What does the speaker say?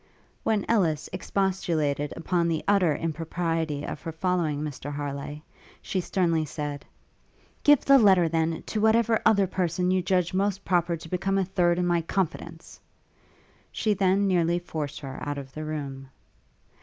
When Ellis expostulated upon the utter impropriety of her following Mr Harleigh, she sternly said, 'Give the letter, then, to whatever other person you judge most proper to become a third in my confidence!' She then nearly forced her out of the room.